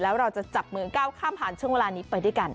แล้วเราจะจับมือก้าวข้ามผ่านช่วงเวลานี้ไปด้วยกัน